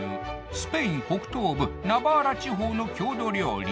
スペイン北東部ナバーラ地方の郷土料理